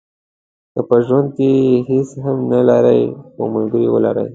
که په ژوند کې هیڅ هم نه لرئ خو ملګری ولرئ.